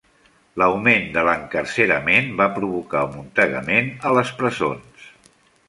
L'augment de l'encarcerament va provocar amuntegament a les presons.